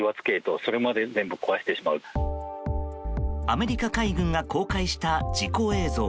アメリカ海軍が公開した事故映像。